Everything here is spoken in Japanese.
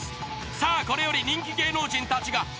さあこれより人気芸能人たちが